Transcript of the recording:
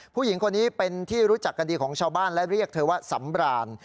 ผู้หญิงคนนี้เป็นที่รู้จักกันดีของชาวบ้านและเรียกเธอว่าสำราน